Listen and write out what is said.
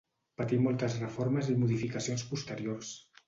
Patí moltes reformes i modificacions posteriors.